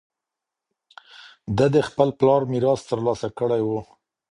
ده د خپل پلار میراث ترلاسه کړی و